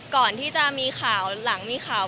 ก่อนที่จะมีข่าวหลังมีข่าว